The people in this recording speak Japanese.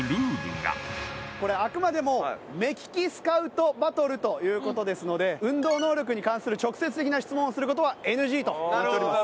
これあくまでも目利きスカウトバトルという事ですので運動能力に関する直接的な質問をする事はＮＧとなっております。